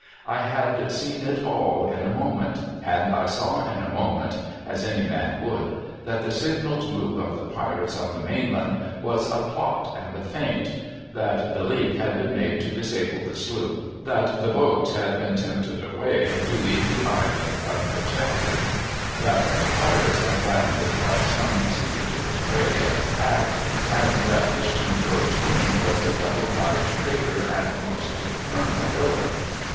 I had seen it all, in a moment. And I saw in a moment (as any man would), that the signalled move of the pirates on the mainland was a plot and a feint ; that the leak had been made to disable the sloop ; that the boats had been tempted away, to leave the Island unprotected ; ir,o I'ERILS OF CERTAIN ENGLISH PRISONERS tliat the pirates had landed by some secreted way at the back ; and that Christian George King was a double dyed traitor, and a most infernal villain.